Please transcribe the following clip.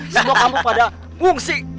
semua kampung pada ngungsi